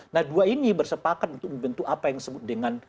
nah dua ini bersepakat untuk membentuk apa yang disebut dengan